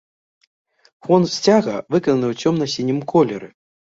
Фон сцяга выкананы ў цёмна-сінім колеры.